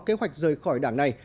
kế hoạch rời khỏi đảng này